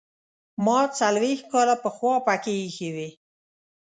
ما څلوېښت کاله پخوا پکې ایښې وې.